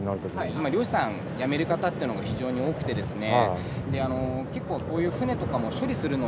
今漁師さんやめる方っていうのが非常に多くてですね。